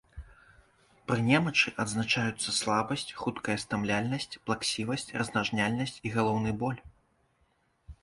Пры немачы адзначаюцца слабасць, хуткая стамляльнасць, плаксівасць, раздражняльнасць і галаўны боль.